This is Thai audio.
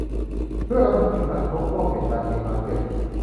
เพื่อรำลึกถึงการครบรอบเหตุการณ์เฮย์มาร์เก็ต